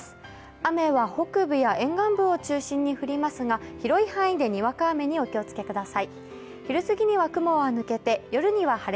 雨は北部や沿岸部を中心に降りますが広い範囲でにわか雨にお気をつけ下さい。